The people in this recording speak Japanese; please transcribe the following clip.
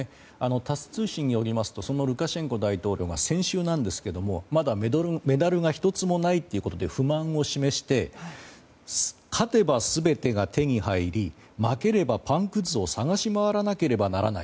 タス通信によりますとそのルカシェンコ大統領が先週なんですがまだメダルが一つもないということで不満を示して勝てば全てが手に入り負ければパンくずを探し回らなければならない。